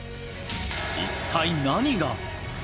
一体、何が？